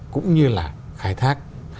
cũng như là khai thác